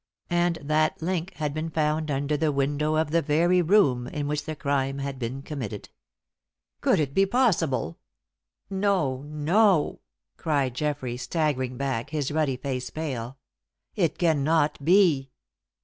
And that link had been found under the window of the very room in which the crime had been committed! "Could it be possible No! No!" cried Geoffrey, staggering back, his ruddy face pale. "It cannot be!"